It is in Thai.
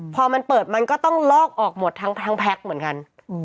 พอมันเปิดมันก็ต้องลอกออกหมดทั้งแพ็คเหมือนกัน